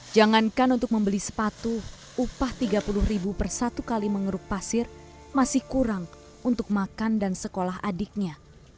jangankan untuk membeli sepatu upah rp tiga puluh per satu kali mengeruk pasir masih kurang untuk makan dan sekolah adiknya